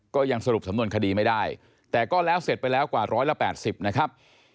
ก็ยังสรุปสำนวนคดีไม่ได้แต่ก็แล้วเสร็จไปแล้วกว่า๑๘๐นะครับ